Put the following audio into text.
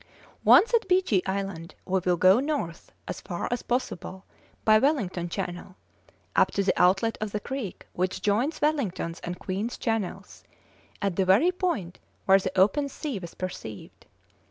Once at Beechey Island we will go north as far as possible, by Wellington Channel, up to the outlet of the creek which joins Wellington's and Queen's Channels, at the very point where the open sea was perceived.